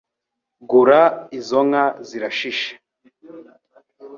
Gura izo nka zirashishe